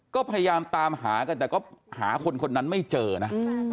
ก็พยายามตามหากันแต่ก็หาคนคนนั้นไม่เจอนะ